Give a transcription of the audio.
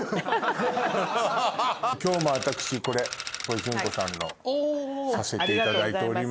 今日も私これジュンコさんのさせていただいております。